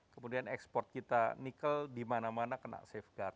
kemudian ekspor kita nikel dimana mana kena safeguard